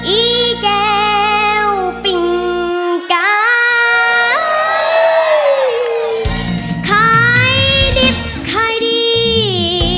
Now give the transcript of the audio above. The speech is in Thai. อีแก้วปิ่งกาขายดิบขายดี